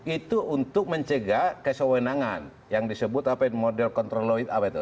itu untuk mencegah kesewenangan yang disebut model kontrol law itu